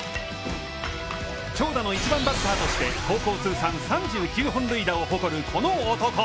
強打の１番バッターとして高校通算３９本塁打を誇る、この男。